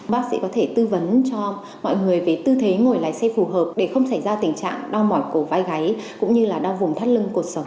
bác sĩ có thể tư vấn cho mọi người về tư thế ngồi lái xe phù hợp để không xảy ra tình trạng đau mỏi cổ vai gáy cũng như là đau vùng thắt lưng cuộc sống